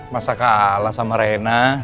masa kalah sama rena